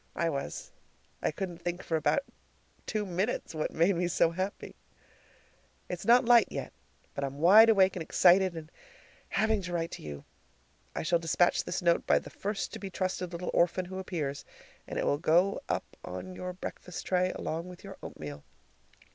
I was! I couldn't think for about two minutes what made me so happy. It's not light yet, but I'm wide awake and excited and having to write to you. I shall despatch this note by the first to be trusted little orphan who appears, and it will go up on your breakfast tray along with your oatmeal.